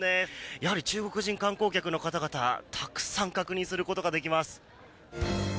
やはり、中国人観光客の方々たくさん確認することができます。